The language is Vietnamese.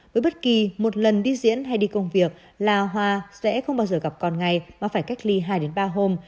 với bất kỳ một lần đi diễn hay đi công việc là hòa sẽ không bao giờ gặp còn ngày mà phải cách ly hai ba hôm